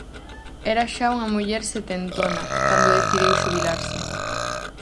Era xa unha muller setentona cando decidiu xubilarse.